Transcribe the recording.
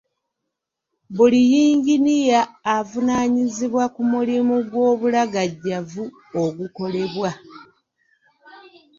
Buli yinginiya avunaanyizibwa ku mulimu gw'obulagajjavu ogukolebwa.